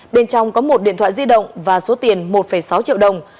bên trong có một điện thoại di động và số tiền một sáu triệu đồng